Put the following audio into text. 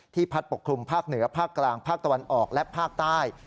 พัดปกคลุมภาคเหนือภาคกลางภาคตะวันออกและภาคใต้